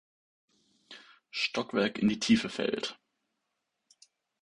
Stockwerk in die Tiefe fällt.